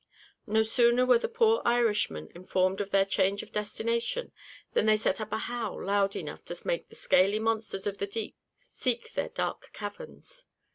No sooner were the poor Irishmen informed of their change of destination, than they set up a howl loud enough to make the scaly monsters of the deep seek their dark caverns.